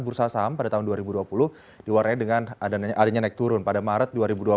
bursa saham pada tahun dua ribu dua puluh diwarnai dengan adanya naik turun pada maret dua ribu dua puluh